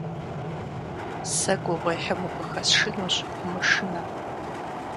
Сэ гугъуехьым укъыхэсшынущ, умышынэ.